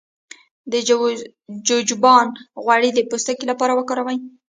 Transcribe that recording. د جوجوبا غوړي د پوستکي لپاره وکاروئ